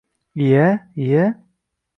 — Iya-iya...